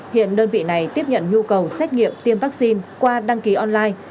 hiện đơn vị này tiếp nhận nhu cầu xét nghiệm tiêm vaccine qua đăng ký online